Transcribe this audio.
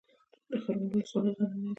د خروار ولسوالۍ غرنۍ ده